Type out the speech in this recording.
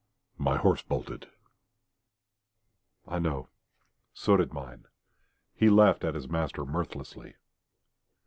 "My horse bolted." "I know. So did mine." He laughed at his master mirthlessly.